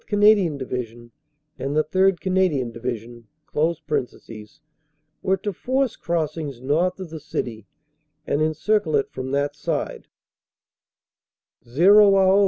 Canadian Division and the 3rd. Canadian Division) were to force crossings north of the city and encircle it from that side."